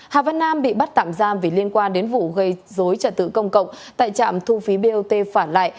hà văn nam bị bắt tạm giam vì liên quan đến vụ gây dối trật tự công cộng tại trạm thu phí bot phản lại